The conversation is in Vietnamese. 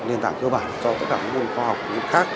nền tảng cơ bản cho tất cả các môn khoa học khác